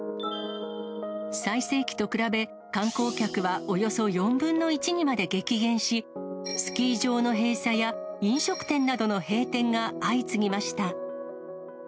最盛期と比べ、観光客はおよそ４分の１にまで激減し、スキー場の閉鎖や飲食店などの閉店が相次ぎました。